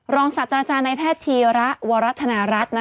ศาสตราจารย์ในแพทย์ธีระวรัฐนารัฐ